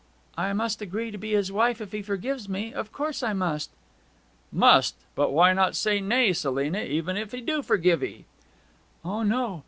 I must agree to be his wife if he forgives me of course I must.' 'Must! But why not say nay, Selina, even if he do forgive 'ee?' 'O no!